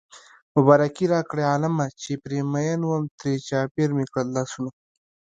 مبارکي راکړئ عالمه چې پرې مين وم ترې چاپېر مې کړل لاسونه